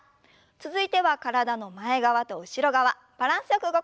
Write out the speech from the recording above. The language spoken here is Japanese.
続いては体の前側と後ろ側バランスよく動かしていきましょう。